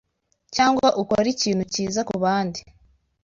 cyangwa ukore ikintu cyiza kubandi